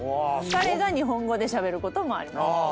彼が日本語でしゃべることもあります。